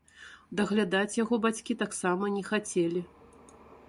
Даглядаць яго бацькі таксама не хацелі.